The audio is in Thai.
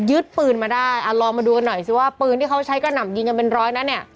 ยึดปืนมาได้ลองมาดูกันหน่อยสิว่าปืนที่เขาใช้กระหน่ำยิงกันเป็นร้อยนั้นเนี่ย